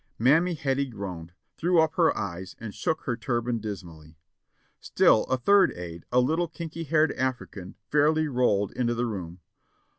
Mammy Hettie groaned, threw up her eyes and shook her tur ban dismally. Still a third aide, a little kinky haired African, fairly rolled into the room.